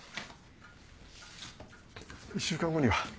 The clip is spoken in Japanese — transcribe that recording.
１週間後には。